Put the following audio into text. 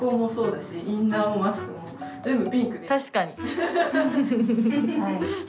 確かに。